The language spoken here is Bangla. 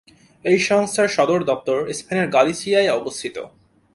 এই সংস্থার সদর দপ্তর স্পেনের গালিসিয়ায় অবস্থিত।